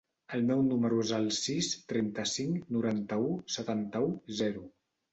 El meu número es el sis, trenta-cinc, noranta-u, setanta-u, zero.